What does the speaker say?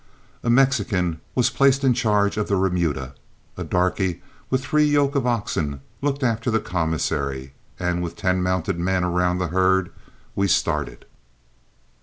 A Mexican was placed in charge of the remuda, a darky, with three yoke of oxen, looked after the commissary, and with ten mounted men around the herd we started.